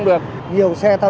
do đó là